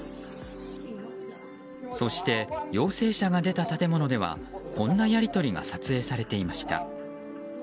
そして陽性者が出た建物ではこんなやり取りが撮影されていました。